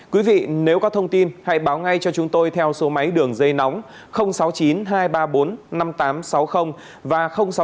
quý vị nếu có thông tin hãy báo ngay cho chúng tôi theo số máy đường dây nóng sáu mươi chín hai trăm ba mươi bốn năm nghìn tám trăm sáu mươi và sáu mươi chín hai trăm ba mươi hai một nghìn sáu trăm bảy